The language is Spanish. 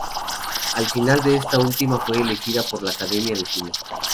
Al final esta última fue elegida por la Academia de cine.